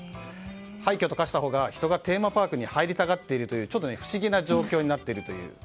廃虚と化したほうが人がテーマパークに入りたがっているという不思議な状況になっています。